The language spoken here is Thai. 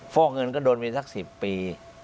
ฟอกเงินก็โดนไปสัก๑๐ปี